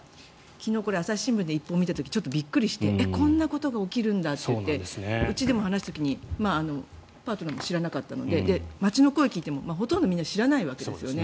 昨日、朝日新聞でこの一報を見た時こんなことが起きるんだといってうちでも話した時にパートナーも知らなかったので街の声を聞いてもほとんどみんな知らないわけですよね。